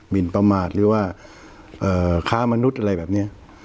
หินประมาทหรือว่าค้ามนุษย์อะไรแบบนี้